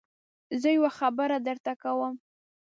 زه يوه خبره درته کوم.